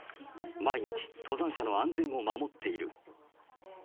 毎日、登山者の安全を守っている。